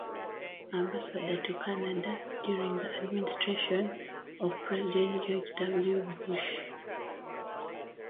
Ambassador to Canada during the administration of President George W. Bush.